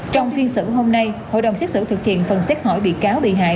trong phiên xử hôm nay hội đồng xét xử thực hiện phần xét hỏi bị cáo bị hại